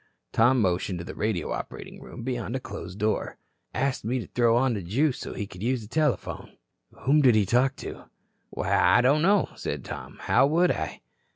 Tom motioned to the radio operating room beyond a closed door. "Asked me to throw on the juice so he could use the telephone." "Whom did he talk to?" "Why, I don't know," said Tom. "How would I?"